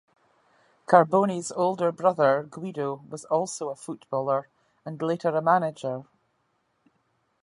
Carboni's older brother, Guido, was also a footballer, and later a manager.